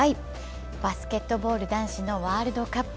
バスケットボール男子のワールドカップ